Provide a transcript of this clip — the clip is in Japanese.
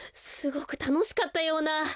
すごくたのしかったような。